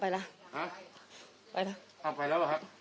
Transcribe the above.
ไปล่ะไปล่ะ